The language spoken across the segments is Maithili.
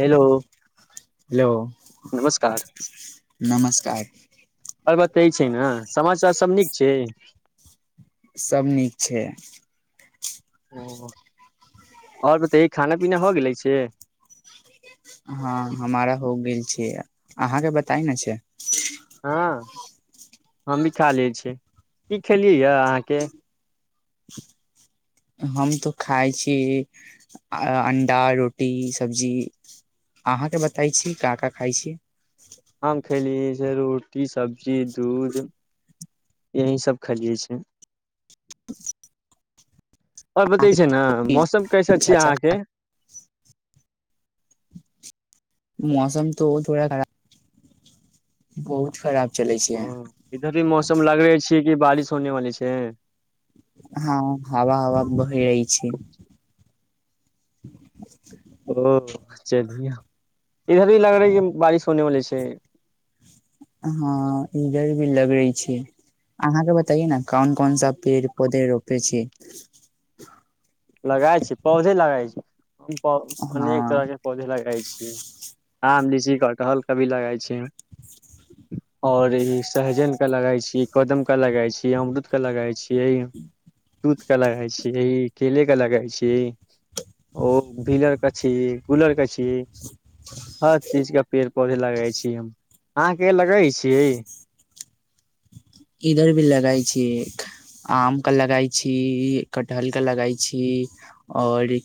हेलो हेलो नमस्कार नमस्कार आर बतैऽ छी न समाचार सब नीक छैय सब नीक छैय। और बतैयो खाना पीना होगेलै से हँ हमारा हो गेल अहाँके बताई न छैय हँ हम भी खालै छी की खेलियै ए अहाँके हम तो खाइ छी अंडा रोटी सब्जी अहाँके बतै छी का का खाइ छी आम खेलियै जे रोटी सब्जी दूध यही सभ खेलियै छैय और बतै छैय ने मौसम कैसे अच्छा छिय अच्छा खा अहाँके मौसम तो थोड़ा खराब बहुत खराब चलै छै ओ इधर भी मौसम लगै छैय कि बारिश होने वाली छैय। हँ हवा हवा बहि रहै छैय। ओ चलि इधर भी लग रहै कि बारिश होने बाली छैय। हँ इधर भी लगै छैय अहाँके बताइए न कौन कौन सा पेड़ पोधे रोपे छी लगााय छैय पौधे लगााय छैय हम प अनेक तरह हँ के पौधे लगय छियै। आम लीची कटहल कभी लगाइ छियै और ई सहजन के लगई छियै। कदम के लगाइ छियै अमरूद के लगााइ छियै तूत के लगाय छियै केले के लगाई छियै ओ [unintelligible] के छी गुलर के छी हर चीज के पेड़ पौधे लगई छी हम आंह के लगई छियै इधर भी लगाइ छी आमके लगाइ छी कटहलके लगाइ छी और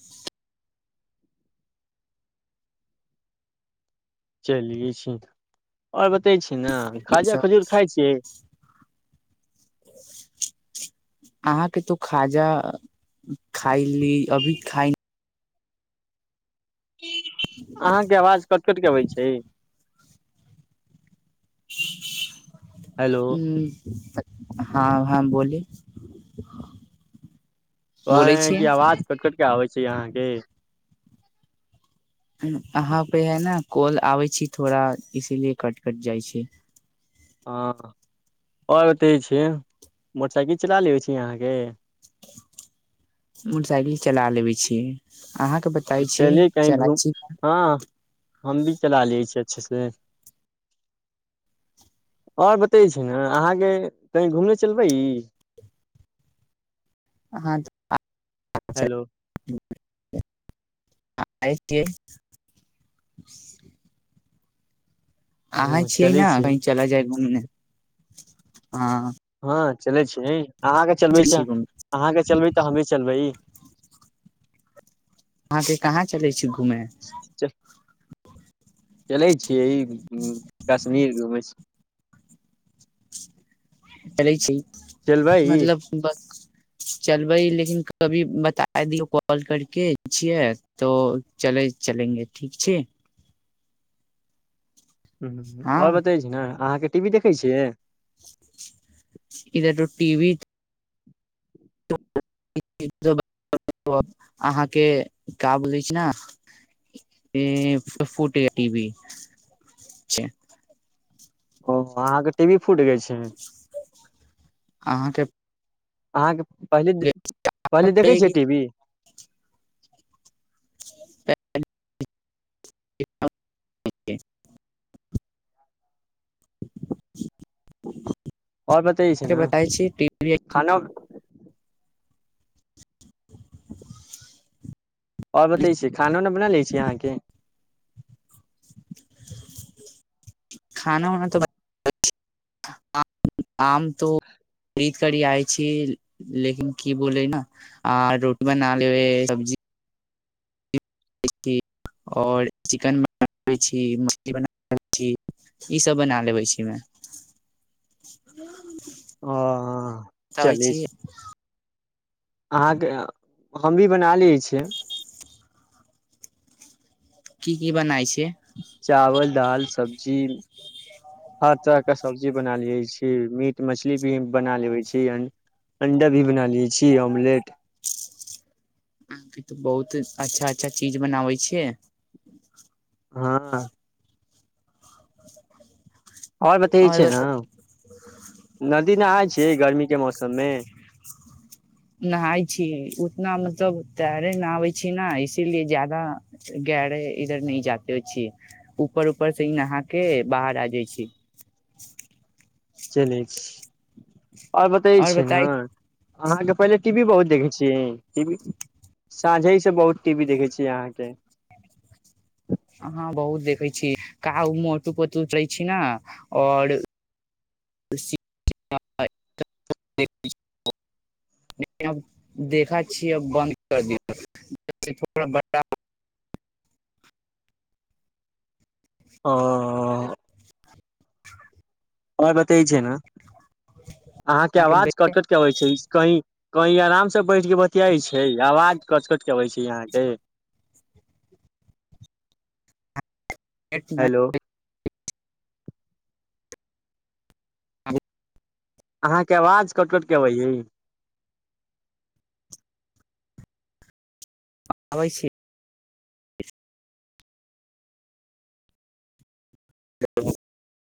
चलिये छी ओऔर बतै छी ने खाजा सब खजूर खाइ छियै अहाँके तो खाजा खाय ली अभी खाइ अहाँके आवाज कट कट के अबै छैय। हेलो [inaudible] हू हँ हँ बोली व [unintelligible] आवाज कटकट क आबै छैय अहाँके अहाँ पे है ने काॉल आबै छी थोड़ा इसीलिए कट कट जाइ छैय हँ आओर [unintelligible] छी मोटरसाइकिल चला लेै छी अहाँके मोटरसाइकिल चला लेबै छियै। अहाँके बताै छी चलिये कहीं घूम चलाइ छी हँ हम भी चला लियै छिय अच्छे से ओर बतै छै ने अहाँके कहीँ घूमने चलबै हँ हेलो [unintelligible] अहाँ ह छियै चलै ने छी कही चला जाय घुमने हँ हँ चलै छिय अहाँके चलबै चलै छैय छी घूमे अहाँके चलबै तऽ हमे चलबै अहाँ से कहाँ चलै [unintelligible] चल चलै छियै ई सुनीर घुमै छैय [unintelligible] मतलब बस चलबै लेकिन कभी बता दियौ कॉल करके छियै तो चले चलेंगे ठीक छैय ह और बतै छी ने अहाँके टी वी देखै छियै इधर त टीवी [unintelligible] अहाँके का बोलै छैय न फुट [unintelligible] ओ अहाँके टी वी फूट गेल छै अहाँके अहाँके पहिले पहिले देखै छियै टी वी [unintelligible] [unintelligible] [inaudible] आओर बताै छैय के ने बताय छी टीवी खाना आओर बतै छी खाना उना बना लै छी अहाँकी खाना उाना तऽ [unintelligible] आम त [unintelligible] करी आइ छी लेकिन की बोले न आ रोटी बना लेब सब्जी [unintelligible] आओर चिकन बनाबै छी मछली बना लय छी ईसभ बना लेबै छी हम ओ चली छी अहाँके हम भी बना लय छियै की की बनाय छैय [inaudible] चावल दाल सब्जी हर तरहके सब्जी बना लै छी मीट मछली भी बना लेै छी अण्डा भी बना लै छी ऑमलेट अहाँके तऽ बहुत अच्छा अच्छा चीज बनाबै छियै हँ आओर बतै छैय न नदी नहाय छीयय गर्मीे के मौसममे नहााय छी उतना मतलब तैरे न आबयबै छी न इसीलिए जादा गरे इधर नहि जाते छी ऊपर ऊपर से नहा के बाहर आ जाइ छी चलइ छी आओर बतै छै ने अहाँके पहिले टी वी बहुत देखै छिय साँझ से बहुत टी वी देखै छी अहाँके हाँ बहुत देखै छी का उ मोटू पोटू उतरै छी ने आओर [unintelligible] देखा छिय बन्द कर दिये ह अर बत छै ने अहाँके अहाँके आवाज कट कट के अबइ छैय कही कही आराम से बैठ के बतियाई छैय आवाज कट कट के अबै छैय यहाँके वेट न हेलो अहाँके आवाज कट कटके अबैय य आबै छी [unintelligible]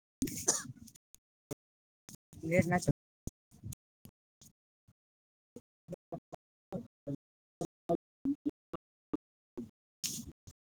[inaudible] लेट ना च [inaudible]